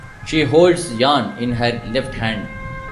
She holds yarn in her left hand.